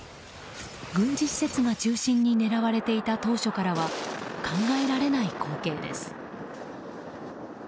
軍事施設が中心に狙われていた当初からは考えられない光景です。